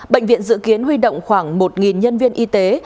bệnh viện dự kiến huy động khoảng một nhân viên y tế